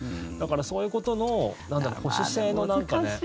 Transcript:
だから、そういうことの保守性のなんかね。